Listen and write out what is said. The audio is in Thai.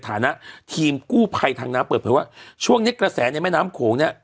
ฐานะทีมกู้ภัยทางน้ำเปิดเผยว่าช่วงนี้กระแสในแม่น้ำโขงเนี่ย